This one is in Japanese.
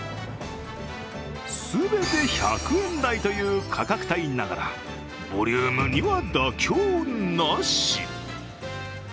全て１００円台という価格帯ながらボリュームには妥協なし。